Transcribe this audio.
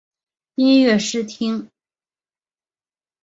音乐试听